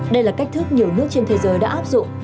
đây là cách thức nhiều nước trên thế giới đã áp dụng